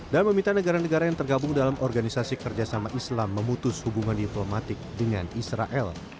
dan meminta negara negara yang tergabung dalam organisasi kerjasama islam memutus hubungan diplomatik dengan israel